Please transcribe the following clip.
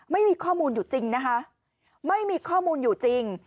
ไม่มีข้อมูลอยู่จริงนะคะไม่มีข้อมูลอยู่จริง